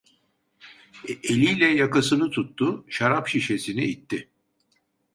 Eliyle yakasını tuttu, şarap şişesini itti.